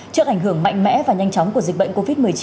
trước ảnh hưởng mạnh mẽ và nhanh chóng của dịch bệnh covid một mươi chín